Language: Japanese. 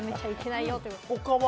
他は？